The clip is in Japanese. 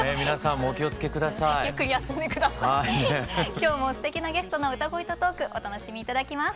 今日もすてきなゲストの歌声とトークお楽しみ頂きます。